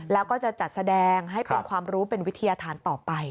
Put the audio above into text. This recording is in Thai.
แล้วก็จะจัดแสดงให้เป็นความรู้เป็นวิทยาธารต่อไป